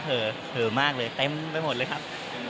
เผ่อครับเผ่อมากเลยเต็มไปหมดเลยครับ